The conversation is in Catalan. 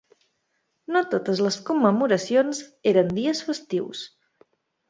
No totes les commemoracions eren dies festius.